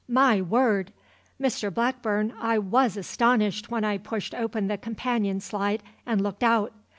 My word! Mr Blackburn, I was astonished when I pushed open the companion slide and looked out.